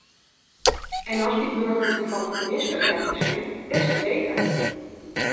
En als die burger toevallig minister blijkt te zijn - des te beter!